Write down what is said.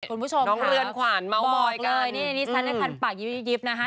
คุณผู้ชมค่ะบอกเลยนี่นี่สันดักภัณฑ์ปากยิบนะฮะ